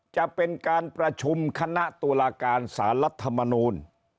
จะเป็นการประชุมคณะตุลาการสารรัฐมนูล